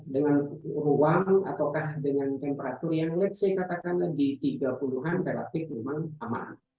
dengan ruang atau dengan temperatur yang let's say katakan di tiga puluh an relatif memang aman